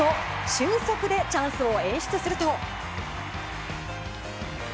俊足でチャンスを演出すると。